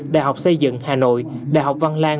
đại học xây dựng hà nội đại học văn lang